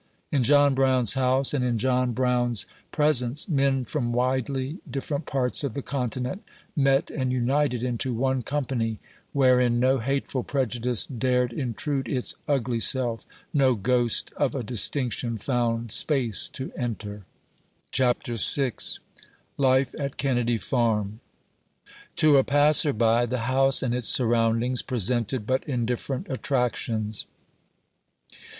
In John Brown's house, and in John Brown's pres 24 A voice from harper's ferry. ence, men from widely different parts of the continent met and united into one company, wherein no hateful prejudice dared intrude its ugly self — no ghost of a distinction found space to enter. CHAPTER VI. LITE AT KENNEDY FARM. To a passer by, the house and its surroundings presented but indifferent attractions.